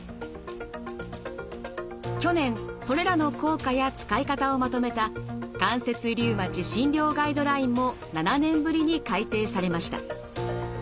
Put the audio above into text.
去年それらの効果や使い方をまとめた「関節リウマチ診療ガイドライン」も７年ぶりに改訂されました。